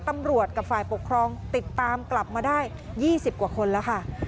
ตำรวจกับฝ่ายปกครองติดตามกลับมาได้๒๐กว่าคนแล้วค่ะ